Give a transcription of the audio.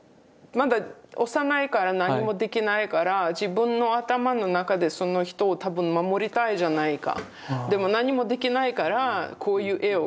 まだ幼いから何もできないから自分の頭の中でその人を多分守りたいんじゃないか。